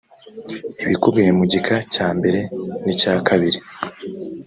ibikubiye mu gika cya mbere n icyakabiri